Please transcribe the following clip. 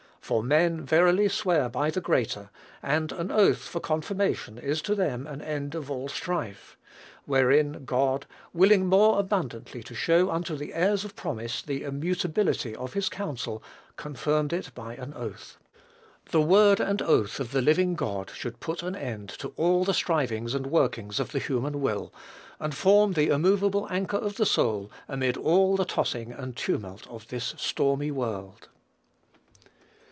For men verily swear by the greater, and an oath for confirmation is to them an end of all strife. Wherein God, willing more abundantly to show unto the heirs of promise the immutability of his counsel, confirmed it by an oath." The word and oath of the living God should put an end to all the strivings and workings of the human will, and form the immovable anchor of the soul amid all the tossing and tumult of this stormy world.